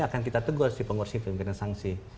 akan kita tegur di pengursi pengenaan sanksi